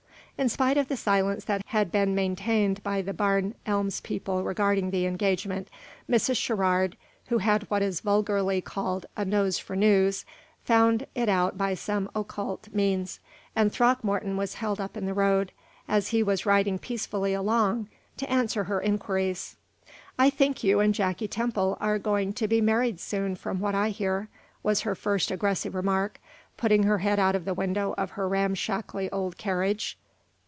In spite of the silence that had been maintained by the Barn Elms people regarding the engagement, Mrs. Sherrard, who had what is vulgarly called a nose for news, found it out by some occult means, and Throckmorton was held up in the road, as he was riding peacefully along, to answer her inquiries. "I think you and Jacky Temple are going to be married soon, from what I hear," was her first aggressive remark, putting her head out of the window of her ramshackly old carriage.